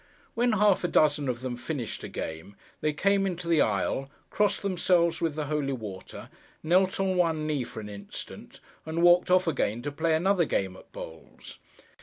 When half a dozen of them finished a game, they came into the aisle, crossed themselves with the holy water, knelt on one knee for an instant, and walked off again to play another game at bowls.